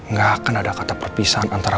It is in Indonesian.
gue gak mau liat lo sedih kayak begini lagi